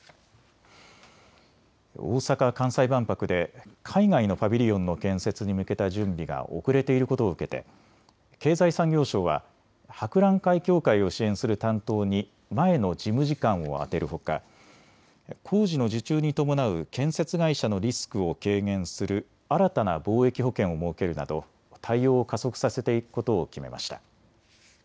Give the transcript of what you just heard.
大阪・関西万博で海外のパビリオンの建設に向けた準備が遅れていることを受けて経済産業省は博覧会協会を支援する担当に前の事務次官を充てるほか工事の受注に伴う建設会社のリスクを軽減する新たな貿易保険を設けるなど対応を加速させていくことを決めました。